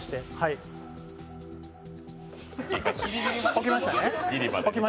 起きましたね。